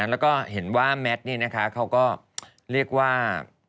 แล้วก็เห็นว่าแมทเขาก็เรียกว่า